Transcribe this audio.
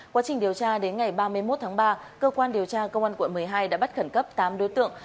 quá trình điều tra đến ngày ba mươi một tháng ba cơ quan điều tra công an quận một mươi hai đã bắt khẩn cấp tám đối tượng